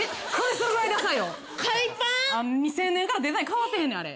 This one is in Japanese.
２０００年からデザイン変わってへんねんあれ。